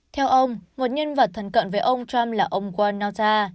theo ông một nhân vật thân cận với ông trump là ông juan nauta